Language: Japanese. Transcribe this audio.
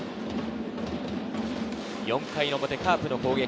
４回表、カープの攻撃。